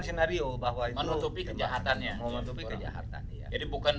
scenario bahwa itu menutupi kejahatannya menutupi kejahatan ya jadi bukan